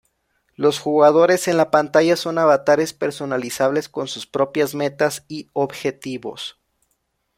Los jugadores en la pantalla son avatares personalizables, con sus propias metas y objetivos.